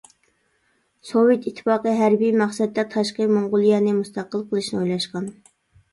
سوۋېت ئىتتىپاقى ھەربىي مەقسەتتە تاشقى موڭغۇلىيەنى مۇستەقىل قىلىشنى ئويلاشقان.